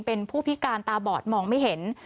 เป็นผู้พิการตาบอดมองไม่เห็น